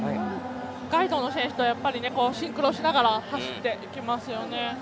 ガイドの選手とシンクロしながら走っていきますよね。